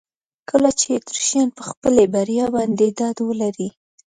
کله چې اتریشیان پر خپلې بریا باندې ډاډ ولري.